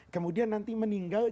kemudian nanti meninggal